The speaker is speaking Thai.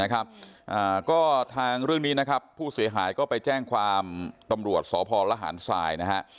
ก็ทางเรื่องนี้นะครับผู้เสียหายก็ไปแจ้งความตำรวจสพลหารทรายนะฮะ